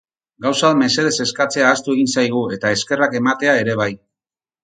Gauzak mesedez eskatzea ahaztu egin zaigu eta eskerrak ematea ere bai.